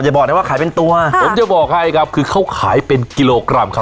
บอกนะว่าขายเป็นตัวผมจะบอกให้ครับคือเขาขายเป็นกิโลกรัมครับ